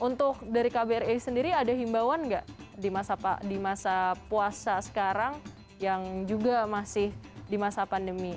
untuk dari kbri sendiri ada himbauan nggak di masa puasa sekarang yang juga masih di masa pandemi